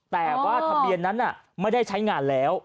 แต่ว่าทะเบียนนั้นไม่ได้ใช้งานแล้ว